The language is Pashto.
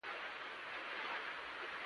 کتاب د تاریخ رازونه بیانوي.